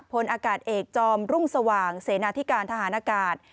พลอากาศเอกจอมรุ่งสว่างเสนาธิการทหารอากาศ